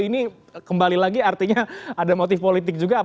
ini kembali lagi artinya ada motif politik juga